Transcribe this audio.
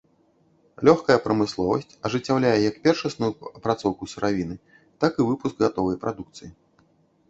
Лёгкая прамысловасць ажыццяўляе як першасную апрацоўку сыравіны, так і выпуск гатовай прадукцыі.